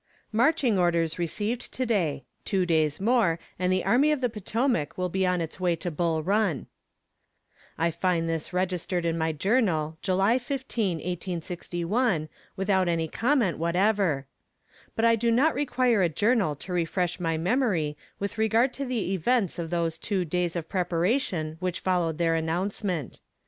Marching orders received to day two days more, and the Army of the Potomac will be on its way to Bull Run. I find this registered in my journal July 15th, 1861, without any comment whatever. But I do not require a journal to refresh my memory with regard to the events of those two days of preparation which followed their announcement.